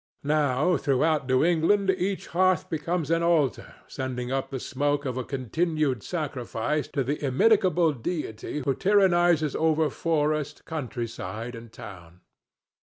Now throughout New England each hearth becomes an altar sending up the smoke of a continued sacrifice to the immitigable deity who tyrannizes over forest, country side and town.